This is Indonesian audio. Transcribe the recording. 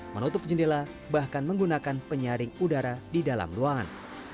menutup jendela bahkan menggunakan penyaring udara di dalam ruangan